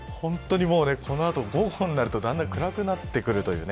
このあと午後になるとだんだん暗くなってくるというね。